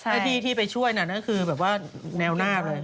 ที่ที่ไปช่วยนั่นก็คือแบบว่าแนวหน้าไป